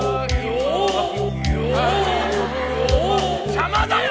邪魔だよ！